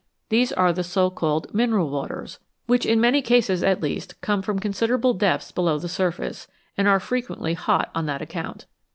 There are the so called "mineral waters," which, in many cases at least, come from considerable depths below the surface, arid are frequently hot on that account.